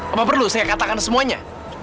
apa perlu saya katakan semuanya